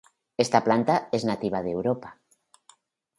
Esta planta es nativa de Europa.